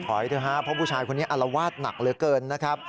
เถอะฮะเพราะผู้ชายคนนี้อารวาสหนักเหลือเกินนะครับ